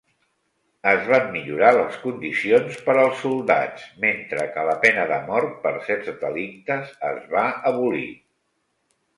Es van millorar les condicions per als soldats, mentre que la pena de mort per certs delictes es va abolir.